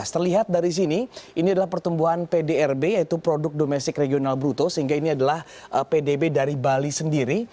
terlihat dari sini ini adalah pertumbuhan pdrb yaitu produk domestik regional bruto sehingga ini adalah pdb dari bali sendiri